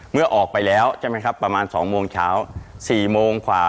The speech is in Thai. เมื่อออกไปแล้วใช่ไหมครับประมาณ๒โมงเช้า๔โมงกว่า